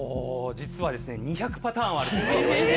実はですね２００パターンはあるといわれてまして。